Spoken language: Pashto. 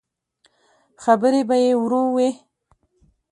خبرې به يې ورو وې.